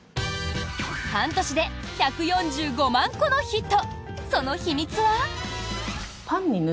半年で１４５万個のヒット！